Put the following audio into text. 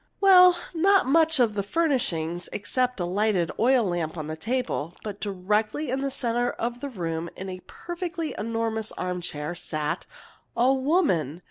"Well, not much of the furnishing, except a lighted oil lamp on a table. But, directly in the center of the room, in a perfectly enormous armchair sat a woman!